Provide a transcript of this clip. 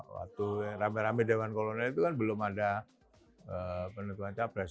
waktu rame rame dewan kolonel itu kan belum ada penentuan capres